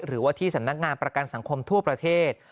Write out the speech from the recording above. หรือว่าที่สำนักงานประกันสังคมทั่วประเทศ